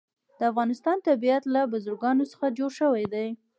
د افغانستان طبیعت له بزګانو څخه جوړ شوی دی.